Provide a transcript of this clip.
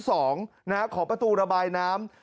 ขอประตูระบายน้ำ